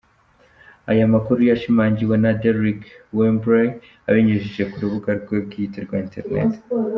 Aya makuru, yashimangiwe na Deryck Whibley abinyujije ku rubuga rwe bwite rwa internet .